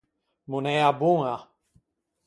Monæa boña.